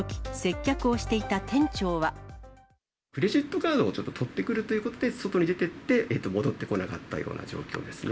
クレジットカードをちょっと取ってくるということで、外に出てって、戻ってこなかったような状況ですね。